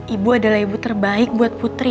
ibu adalah ibu terbaik buat putri